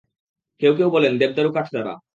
কেউ কেউ বলেন, দেবদারু কাঠ দ্বারা।